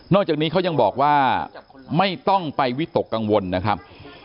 จากนี้เขายังบอกว่าไม่ต้องไปวิตกกังวลนะครับ